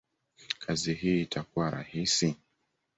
kazi hii itakuwa rahisi?